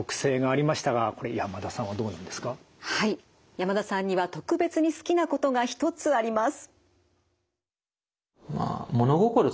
山田さんには特別に好きなことが一つあります。